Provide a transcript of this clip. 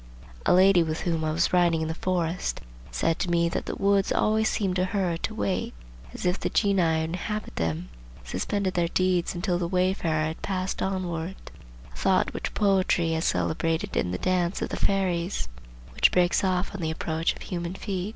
A lady with whom I was riding in the forest said to me that the woods always seemed to her to wait, as if the genii who inhabit them suspended their deeds until the wayfarer had passed onward; a thought which poetry has celebrated in the dance of the fairies, which breaks off on the approach of human feet.